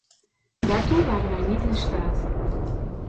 Daartoe waren wij niet in staat.